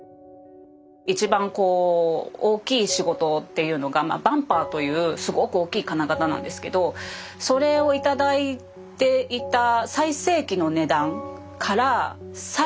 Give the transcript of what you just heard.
一番こう大きい仕事っていうのがバンパーというすごく大きい金型なんですけどそれを頂いていた最盛期の値段から最終的に半値になった感じですね。